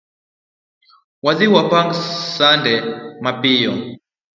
Wadhii wapang sande ka mapiyo